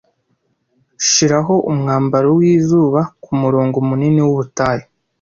shiraho umwambaro wizuba kumurongo munini wubutayu